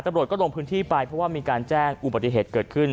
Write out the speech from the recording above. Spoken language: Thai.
ตำรวจก็ลงพื้นที่ไปเพราะว่ามีการแจ้งอุบัติเหตุเกิดขึ้น